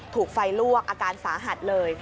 ถูกไฟลวกอาการสาหัสเลย